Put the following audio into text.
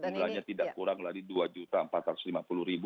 jumlahnya tidak kurang dari rp dua empat ratus lima puluh